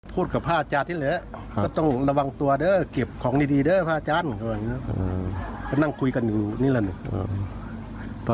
กับพระอาจารย์ที่เหลือก็ต้องระวังตัวเด้อเก็บของดีเด้อพระอาจารย์ก็นั่งคุยกันอยู่นี่แหละ